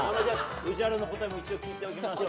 宇治原の答えも一応聞いておきましょう。